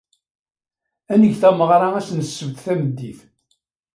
Ad neg tameɣra ass n ssebt tameddit.